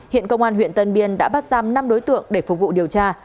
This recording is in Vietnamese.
hiện công an huyện tân biên đã bắt giam năm đối tượng để phục vụ điều tra